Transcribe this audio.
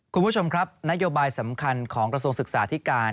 คุณผู้ชมครับนโยบายสำคัญของกระทรวงศึกษาธิการ